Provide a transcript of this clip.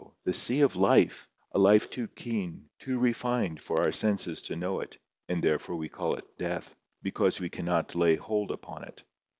The sea of life—a life too keen, too refined, for our senses to know it, and therefore we call it death—because we cannot lay hold upon it.